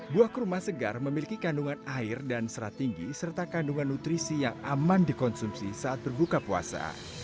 buah kurma segar memiliki kandungan air dan serat tinggi serta kandungan nutrisi yang aman dikonsumsi saat berbuka puasa